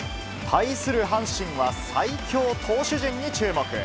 対する阪神は、最強投手陣に注目。